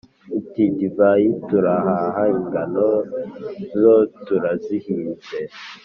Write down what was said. uti:”divayi turahaha, ingano zo turazihinze”